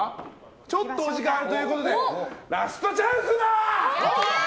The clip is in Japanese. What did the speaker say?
ちょっとお時間あるということでラストチャンスだ！